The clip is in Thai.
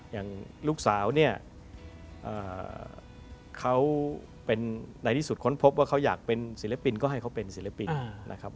อย่างลูกสาวเนี่ยเขาเป็นในที่สุดค้นพบว่าเขาอยากเป็นศิลปินก็ให้เขาเป็นศิลปินนะครับ